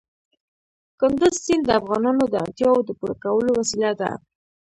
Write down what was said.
کندز سیند د افغانانو د اړتیاوو د پوره کولو وسیله ده.